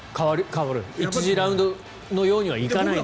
１次ラウンドのようにはいかないと。